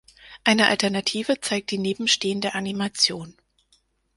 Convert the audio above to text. Eine Alternative zeigt die nebenstehende Animation.